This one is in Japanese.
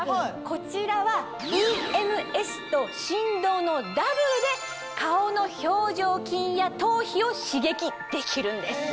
こちらはＥＭＳと振動のダブルで顔の表情筋や頭皮を刺激できるんです。